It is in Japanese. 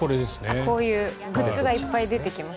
こういうグッズがいっぱい出てきます。